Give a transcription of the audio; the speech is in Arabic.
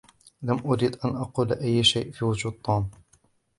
لم أُرِد أن أقول أي شيء في وجود توم.